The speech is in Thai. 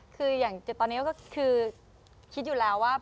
คืออย่างตอนนี้ก็คือคิดอยู่แล้วว่า